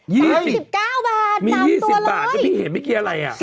๒๙บาท๓ตัวเลยมี๒๐บาทพี่เห็นไม่เครียดอะไร